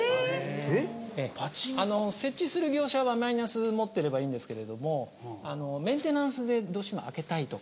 設置する業者はマイナス持ってればいいんですけれどもメンテナンスでどうしても開けたいとか。